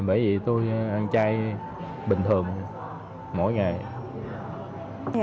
bởi vì tôi ăn chay bình thường mỗi ngày